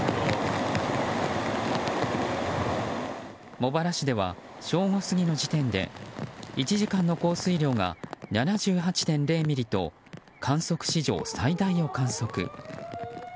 茂原市では正午過ぎの時点で１時間の降水量が７８．０ミリと観測史上最大を観測。